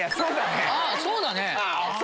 そうだね！